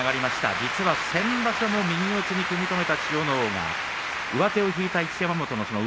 実は先場所も右止めに組み止めた千代ノ皇上手を引いた一山本。